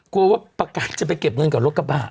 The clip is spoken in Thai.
กลัวว่าประกาศจะไปเก็บเงินกับรถกระบะ